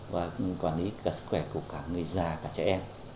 và quản lý cả sức khỏe của cả người già và trẻ em